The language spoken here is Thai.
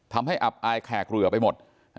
ทำให้อับอายแขกเหลือไปหมด